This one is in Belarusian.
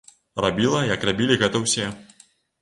Рабіла, як рабілі гэта ўсе.